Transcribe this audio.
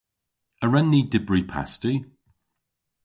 A wren ni dybri pasti?